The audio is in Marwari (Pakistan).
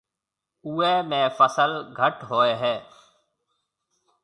اوئيَ ۾ فصل گھٽ ھوئيَ ھيََََ